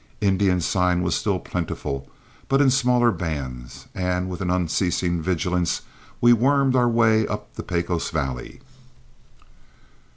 Indian sign was still plentiful, but in smaller bands, and with an unceasing vigilance we wormed our way up the Pecos valley.